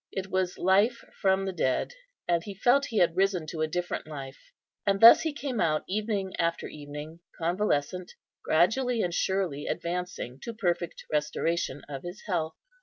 It was life from the dead; and he felt he had risen to a different life. And thus he came out evening after evening convalescent, gradually and surely advancing to perfect restoration of his health.